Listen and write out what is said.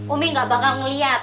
umi enggak bakal ngeliat